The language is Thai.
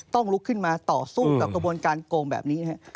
ต้องลุกขึ้นมาต่อสู้กับกระบวนการโกงแบบนี้